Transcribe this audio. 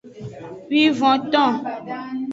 Wivonton.